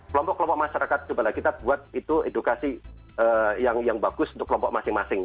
kelompok kelompok masyarakat cobalah kita buat itu edukasi yang bagus untuk kelompok masing masing